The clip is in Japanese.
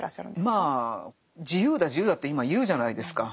まあ「自由だ自由だ」って今言うじゃないですか。